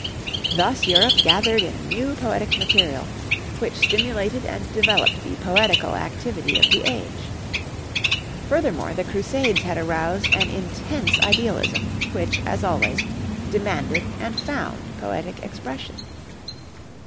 Thus Europe gathered in new poetic material, which stimulated and developed the poetical activity of the age. Furthermore, the Crusades had aroused an intense idealism, which, as always, demanded and found poetic expression.